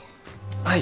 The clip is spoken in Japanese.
はい。